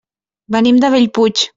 Venim de Bellpuig.